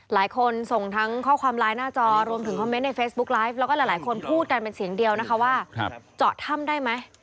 หลายคนส่งทั้งข้อความไลน์หน้าจอรวมถึงคอมเมนต์ในเฟซบุ๊กไลฟ์แล้วก็หลายคนพูดกันเป็นเสียงเดียวนะคะว่าเจาะถ้ำได้ไหม